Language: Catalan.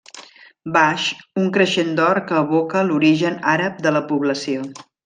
Baix, un creixent d'or que evoca l'origen àrab de la població.